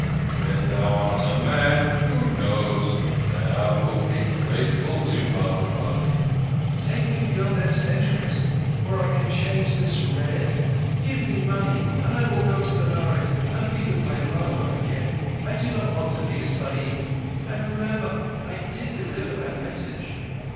When thou art a man—who knows?—thou wilt be grateful to Mahbub Ali." "Take me beyond their sentries where I can change this red. Give me money and I will go to Benares and be with my lama again. I do not want to be a Sahib, and remember I did deliver that message."